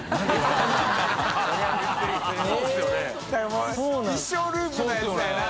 もう一生ループのやつだよな。